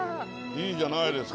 いいじゃないですか。